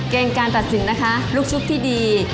เกณฑ์การตัดสินนะคะลูกชุบที่ดี